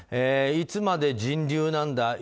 いつまで人流なんだ